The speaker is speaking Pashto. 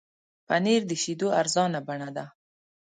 پنېر د شیدو ارزانه بڼه ده.